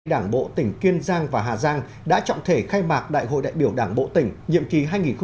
đảng bộ tỉnh kiên giang và hà giang đã trọng thể khai mạc đại hội đại biểu đảng bộ tỉnh nhiệm kỳ hai nghìn hai mươi hai nghìn hai mươi năm